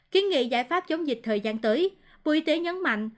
kiến nghị giải pháp chống dịch thời gian tới bộ y tế nhấn mạnh